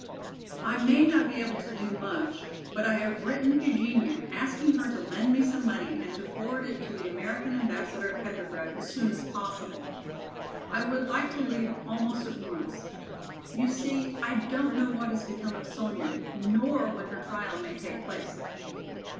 I may not be able to do much, but I have written Eugenia, asking her to lend me some money and to forward it to the American Ambassador at Petrograd as soon as possible. I would like to leave almost at once. You see, I don't know what has become of Sonya, nor when her trial may take place."